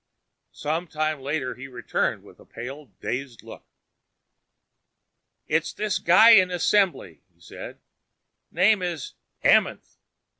Some time later he returned with a pale dazed look. "It's this guy in assembly," he said. "Name is Amenth.